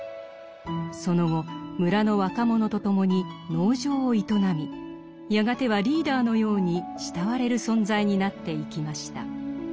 その後村の若者と共に農場を営みやがてはリーダーのように慕われる存在になっていきました。